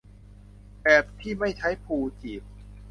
แบบที่ไม่ใช้พลูจีบ